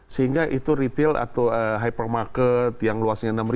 sehingga itu retail atau hypermarket yang luasnya enam